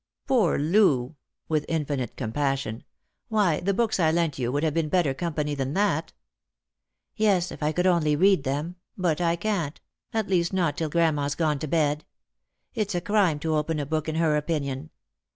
" Poor Loo !" with infinite compassion. " Why, the books I lent you would have been better company than that !"" Yes, if I could only read them. But I can't — at least not till grandma's gone to bed. It's a crime to open a book in her opinion.